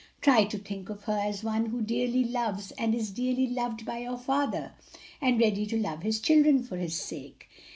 "Try to think of her as one who dearly loves and is dearly loved by your father, and ready to love his children for his sake."